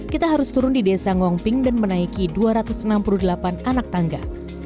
kita harus turun di desa ngong ping dan menaiki dua ratus enam puluh delapan anak tangga